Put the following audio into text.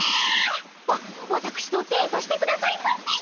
わわたくしとデートしてくださいませ！